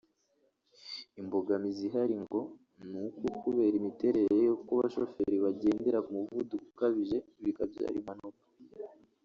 Imbogamizi ihari ngo ni uko kubera imiterere yako abashoferi bagendera ku muvuduko ukabije bikabyara impanuka